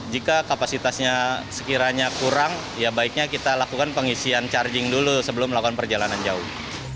jika kapasitasnya sekiranya kurang ya baiknya kita lakukan pengisian charging dulu sebelum melakukan perjalanan jauh